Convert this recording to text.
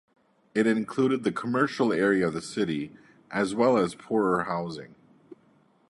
It included the commercial area of the city, as well as poorer housing.